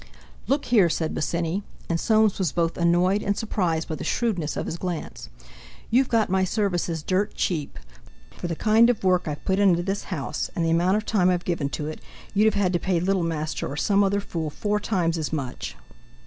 "Look here!" said Bosinney, and Soames was both annoyed and surprised by the shrewdness of his glance. "You've got my services dirt cheap. For the kind of work I've put into this house, and the amount of time I've given to it, you'd have had to pay Littlemaster or some other fool four times as much.